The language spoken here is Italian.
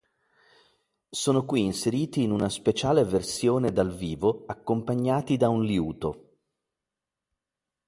Sono qui inseriti in una speciale versione dal vivo accompagnati da un liuto.